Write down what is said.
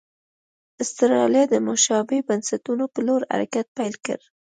اسټرالیا د مشابه بنسټونو په لور حرکت پیل کړ.